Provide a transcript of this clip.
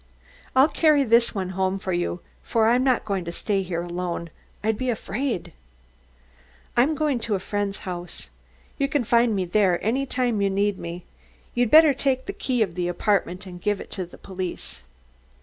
"I'll carry this one home for you, for I'm not going to stay here alone I'd be afraid. I'm going to a friend's house. You can find me there any time you need me. You'd better take the key of the apartment and give it to the police."